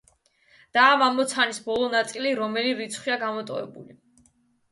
და ამ ამოცანის ბოლო ნაწილი: რომელი რიცხვია გამოტოვებული?